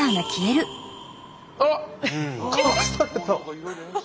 あっ！